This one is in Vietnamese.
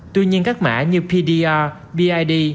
tuy nhiên các mã như pdr bid